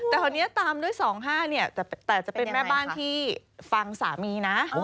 แต่คราวนี้ตามด้วย๒๕เนี่ยแต่จะเป็นแม่บ้านที่ฟังสามีนะ